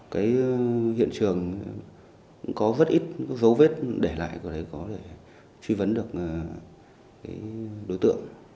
cái hiện trường cũng có rất ít dấu vết để lại của đấy có để truy vấn được đối tượng